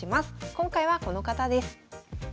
今回はこの方です。